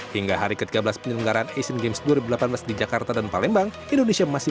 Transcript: hingga hari ke tiga belas penyelenggaraan asian games dua ribu delapan belas di jakarta dan palembang indonesia masih